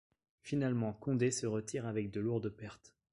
Finalement Condé se retire avec de lourdes pertes.